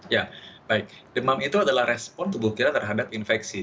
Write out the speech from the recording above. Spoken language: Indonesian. ya baik demam itu adalah respon tubuh kita terhadap infeksi